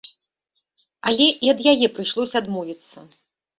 Але і ад яе прыйшлося адмовіцца.